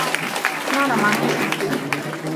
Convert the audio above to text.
না, না, মানুষের মতোই।